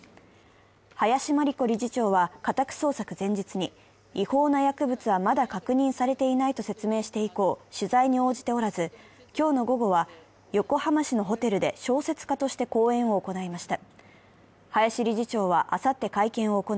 林真理子理事長は家宅捜索前日に違法な薬物はまだ確認されていないと説明して以降、取材に応じておらず、今日の午後は横浜市のホテルで小説家として講演を行いました。